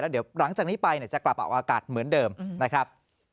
เดี๋ยวหลังจากนี้ไปจะกลับออกอากาศเหมือนเดิมนะครับ